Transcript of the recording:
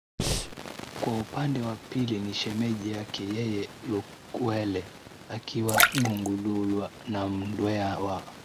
kwa upande wa pili ni shemeji yake yeye Lukwele akiwa Gungulugwa na Mndewa wa